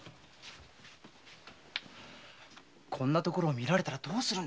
こんなところを見られたらどうするんです。